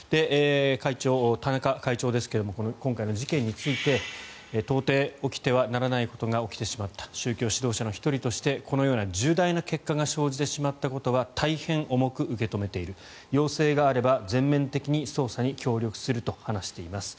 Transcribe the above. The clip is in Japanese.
会長、田中会長ですが今回の事件について到底起きてはならないことが起きてしまった宗教指導者の１人としてこのような重大な結果が生じてしまったことは大変重く受け止めている要請があれば全面的に捜査に協力すると話しています。